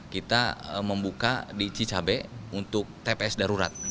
kita membuka di cicabek untuk tps darurat